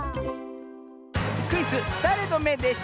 クイズ「だれのめでショー」